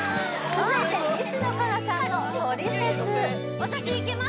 続いて西野カナさんの「トリセツ」いける？